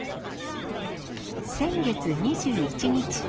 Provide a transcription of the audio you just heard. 先月２１日。